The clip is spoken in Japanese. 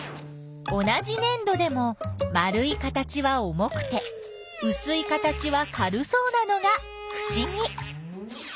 同じねん土でも丸い形は重くてうすい形は軽そうなのがふしぎ。